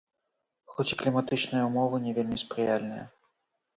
Хоць і кліматычныя ўмовы не вельмі спрыяльныя.